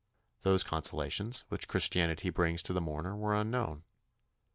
Those consolations which Christianity brings to the mourner were unknown.